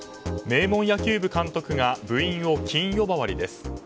名門野球部監督が部員を菌呼ばわりです。